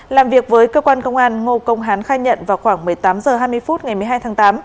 làm việc với cơ quan công an ngô công hán khai nhận vào khoảng một mươi tám h hai mươi phút ngày một mươi hai tháng tám